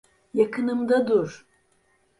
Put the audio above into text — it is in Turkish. Yakınımda dur.